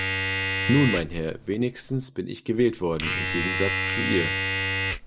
Nun mein Herr, wenigstens bin ich gewählt worden, im Gegensatz zu ihr!